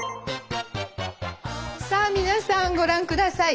さあ皆さんご覧下さい。